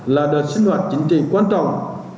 là đợt sinh hoạt chính trị quan trọng